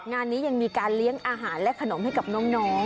งานนี้ยังมีการเลี้ยงอาหารและขนมให้กับน้อง